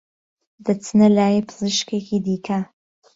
دەچنە لای پزیشکێکی دیکە